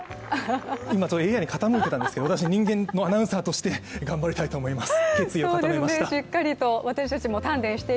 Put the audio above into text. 今、ＡＩに傾いてたんですけど、私、人間のアナウンサーとして頑張りたいと思います。